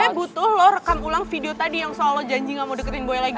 saya butuh loh rekam ulang video tadi yang soal lo janji gak mau deketin buya lagi